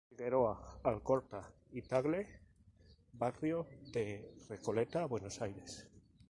Figueroa Alcorta y Tagle, barrio de Recoleta, Buenos Aires.